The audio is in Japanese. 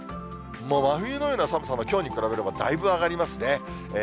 もう真冬のような寒さの、きょうに比べれば、だいぶ上がりますね。